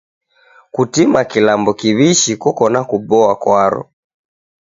Kutima kilambo kiw'ishi koko na kuboa kwaro.